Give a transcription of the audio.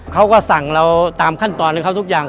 เขาก็สั่งเราตามขั้นตอนของเขาทุกอย่าง